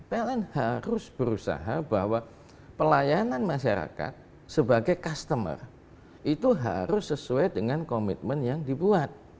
pln harus berusaha bahwa pelayanan masyarakat sebagai customer itu harus sesuai dengan komitmen yang dibuat